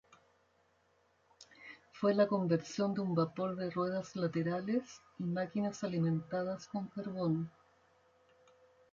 Fue la conversión de un vapor de ruedas laterales, y máquinas alimentadas con carbón.